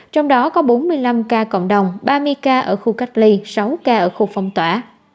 trong đó có bốn mươi năm ca cộng đồng ba mươi ca ở khu cách ly sáu ca ở khu phong tỏa